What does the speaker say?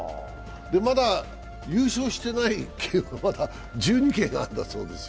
まだ優勝してない県はまだ、１２県あるんだそうですよ。